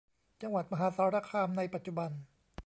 จังหวัดมหาสารคามในปัจจุบัน